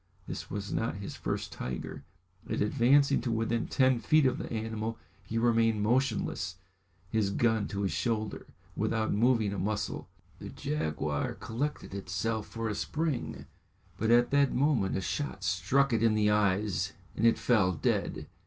This was not his first tiger, and advancing to within ten feet of the animal he remained motionless, his gun to his shoulder, without moving a muscle. The jaguar collected itself for a spring, but at that moment a shot struck it in the eyes, and it fell dead.